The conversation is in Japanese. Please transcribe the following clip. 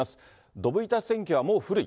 どぶ板選挙はもう古い。